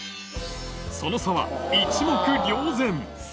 その差は一目瞭然。